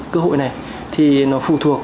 cơ hội này thì nó phụ thuộc